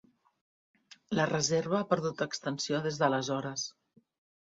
La reserva ha perdut extensió des d'aleshores.